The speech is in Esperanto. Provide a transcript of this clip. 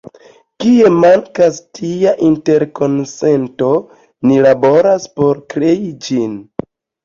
Kie mankas tia interkonsento, ni laboras por krei ĝin.